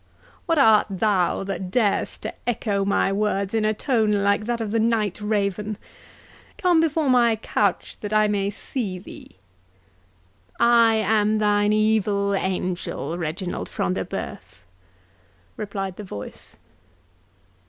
—what art thou, that darest to echo my words in a tone like that of the night raven?—Come before my couch that I may see thee." "I am thine evil angel, Reginald Front de Bœuf," replied the voice.